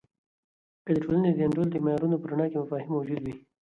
که د ټولنې د انډول د معیارونو په رڼا کې مفاهیم موجود وي.